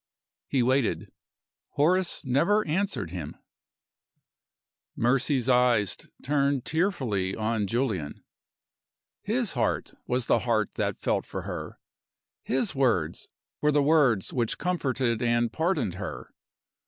He waited. Horace never answered him. Mercy's eyes turned tearfully on Julian. His heart was the heart that felt for her! His words were the words which comforted and pardoned her!